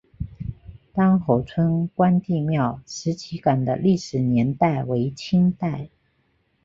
单侯村关帝庙石旗杆的历史年代为清代。